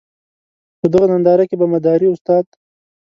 په دغه ننداره کې به مداري استاد.